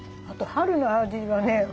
あと春の味はね。